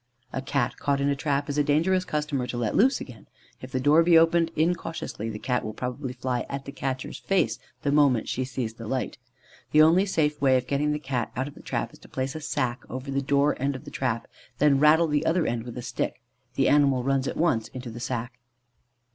A Cat caught in a trap is a dangerous customer to let loose again. If the door be opened incautiously, the Cat will probably fly at the catcher's face the moment she sees the light. The only safe way of getting the Cat out of the trap is to place a sack over the door end of the trap, and then rattle the other end with a stick. The animal runs at once into the sack.